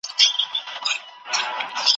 کوچي نکلونه، د آدم او دُرخانۍ سندري